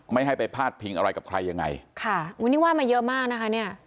ไม่ให้ไปพาดพิงอะไรกับใครยังไงค่ะวันนี้ว่ามาเยอะมากนะคะเนี่ย